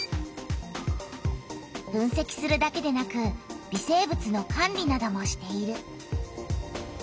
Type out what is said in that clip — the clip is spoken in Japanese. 分せきするだけでなく微生物の管理などもしている。